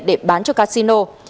để bán cho casino